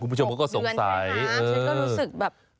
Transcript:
๖เดือนแล้วผมก็รู้สึก